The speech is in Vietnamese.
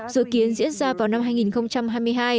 dự kiến diễn ra vào năm hai nghìn hai mươi hai